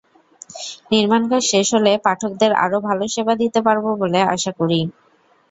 নির্মাণকাজ শেষ হলে পাঠকদের আরও ভালো সেবা দিতে পারব বলে আশা করি।